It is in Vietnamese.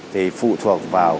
thì phụ thuộc vào